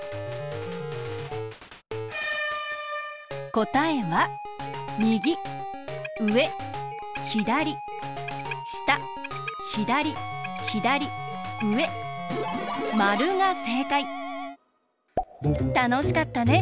こたえはみぎうえひだりしたひだりひだりうえまるがせいかい！たのしかったね。